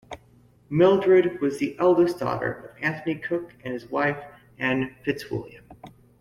Mildred was the eldest daughter of Anthony Cooke and his wife Anne Fitzwilliam.